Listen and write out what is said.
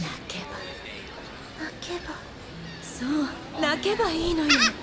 そう泣けばいいのよ。